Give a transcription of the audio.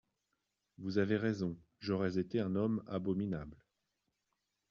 Vous avez raison : j'aurais été un homme abominable.